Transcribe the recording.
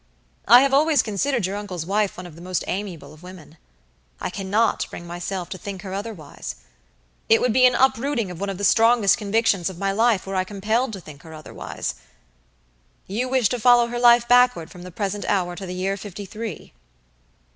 I have always considered your uncle's wife one of the most amiable of women. I cannot bring myself to think her otherwise. It would be an uprooting of one of the strongest convictions of my life were I compelled to think her otherwise. You wish to follow her life backward from the present hour to the year fifty three?"